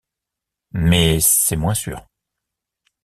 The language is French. Mais c'est moins sûr.